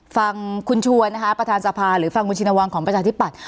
ฟังคุณชวนนะคะประธานสภาหรือฟังคุณชินวังของประชาธิปัตย